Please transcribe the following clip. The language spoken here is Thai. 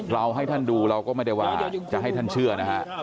ให้ท่านดูเราก็ไม่ได้ว่าจะให้ท่านเชื่อนะฮะ